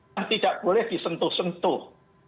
yang tidak boleh disentuh sentuh